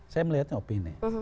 saya melihatnya opini